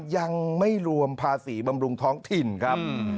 ยังไม่รวมภาษีบำรุงท้องถิ่นครับ